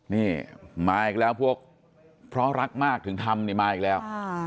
นี่มาอีกแล้วพวกเพราะรักมากถึงทำนี่มาอีกแล้ว